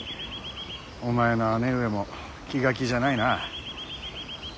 お前の姉上も気が気じゃないな。